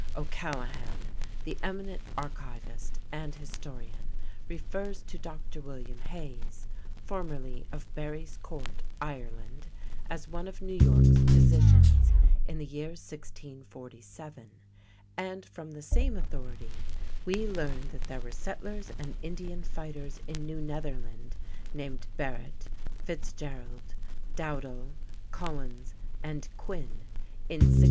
O'Callaghan, the eminent archivist and historian, refers to "Dr. William Hayes, formerly of Barry's Court, Ireland," as one of New York's physicians in the year 1647, and from the same authority we learn that there were "settlers and Indian fighters in New Netherland" named Barrett, Fitzgerald, Dowdall, Collins, and Quinn in 1657.